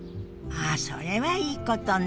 あそれはいいことね。